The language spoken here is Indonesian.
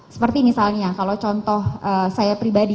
seperti misalnya kalau contoh saya pribadi